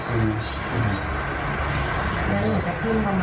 ต้องใช้ของกอล